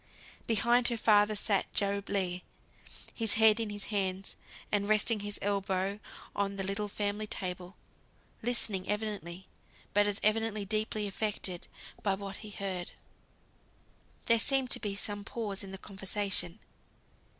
Behind her father sat Job Legh, his head in his hands, and resting his elbows on the little family table, listening evidently; but as evidently deeply affected by what he heard. There seemed to be some pause in the conversation.